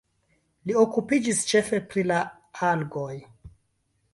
Li okupiĝis ĉefe pri la algoj.